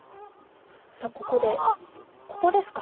さあここでここですか。